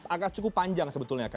agak cukup panjang sebetulnya